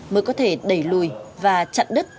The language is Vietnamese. mới có thể đẩy lùi và chặn đứt